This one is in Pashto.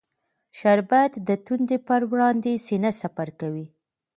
شربت د تندې پر وړاندې سینه سپر کوي